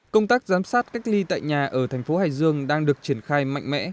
công tác giám sát cách ly tại nhà ở thành phố hải dương đang được triển khai mạnh mẽ